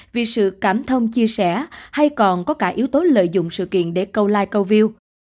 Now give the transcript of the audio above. vì sự cảm thông chia sẻ hay còn có cả yếu tố lợi dụng sự kiện để câu like câu view